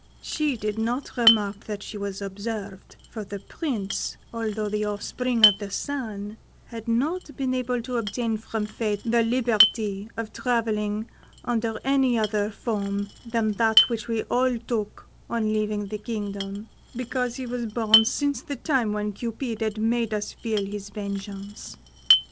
She did not remark that she was observed, for the Prince, although the offspring of the Sun, had not been able to obtain from fate the liberty of travelling under any other form than that which we all took on leaving the kingdom, because he was born since the time when Cupid had made us feel his vengeance.